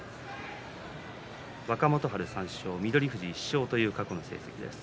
若元春、３勝翠富士、１勝という過去の成績です。